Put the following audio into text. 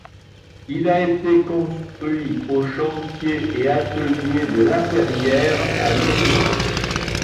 Il a été construit aux Chantiers et ateliers de la Perrière à Lorient.